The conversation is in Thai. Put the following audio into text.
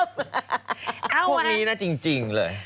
พวกนี้นะจริงเลย